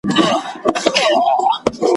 له آدمه تر دې دمه دا قانون دی ,